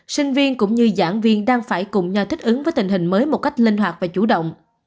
sinh viên cũng như giảng viên đang phải cùng nhau thích ứng với tình hình mới một cách linh hoạt và chủ động